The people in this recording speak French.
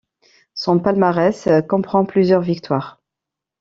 Son palmarès comprend plusieurs victoires.